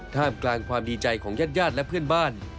ท่ามกลางความดีใจของญาติญาติและเพื่อนบ้าน